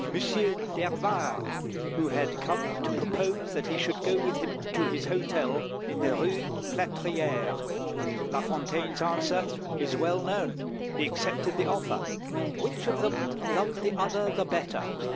d'Hervart, who had come to propose that he should go with him to his hotel in the Rue Plâtrière. La Fontaine's answer is well known. He accepted the offer. "Which of them loved the other the better?"